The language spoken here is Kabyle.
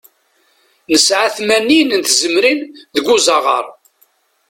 Nesɛa tmanyin n tzemrin deg uzaɣar.